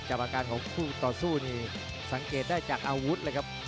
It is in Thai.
อาการของคู่ต่อสู้นี่สังเกตได้จากอาวุธเลยครับ